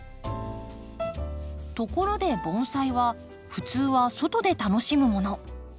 ところで盆栽は普通は外で楽しむもの。